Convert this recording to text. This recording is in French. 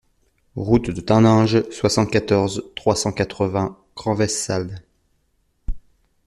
Route de Taninges, soixante-quatorze, trois cent quatre-vingts Cranves-Sales